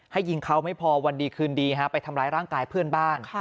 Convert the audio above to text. ยิงเขาไม่พอวันดีคืนดีไปทำร้ายร่างกายเพื่อนบ้าน